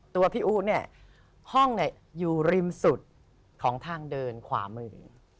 ตัวพี่อู๋เนี่ยห้องอยู่ริมสุดของทางเดินขวามือ